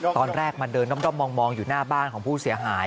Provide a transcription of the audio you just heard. ตอนแรกมาเดินด้อมมองอยู่หน้าบ้านของผู้เสียหาย